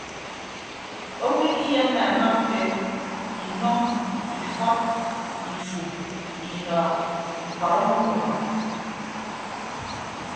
Owo ikiyemme amauke inọ ifọt ifu inọọk ñkọrọ owo mbubịk.